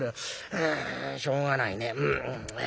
うんしょうがないね。